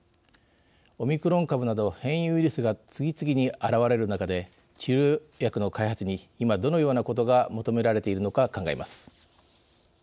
オミクロン株など変異ウイルスが次々に現れる中で治療薬の開発に今どのようなことが求められているのか考えます。